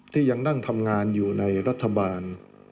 ที่ยังนั่งทำงานอยู่ในรัฐบาล